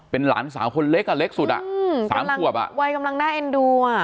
เป็นหลานสาวคนเล็กอ่ะเล็กสุดอ่ะอืมสามขวบอ่ะวัยกำลังน่าเอ็นดูอ่ะ